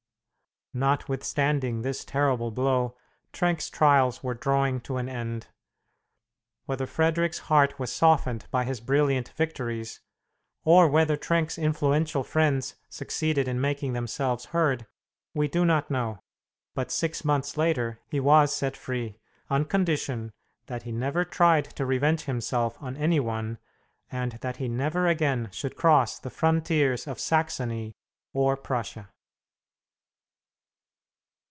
Notwithstanding this terrible blow, Trenck's trials were drawing to an end. Whether Frederic's heart was softened by his brilliant victories, or whether Trenck's influential friends succeeded in making themselves heard, we do not know, but six months later he was set free, on condition that he never tried to revenge himself on any one, and that he never again should cross the frontiers of Saxony or Prussia.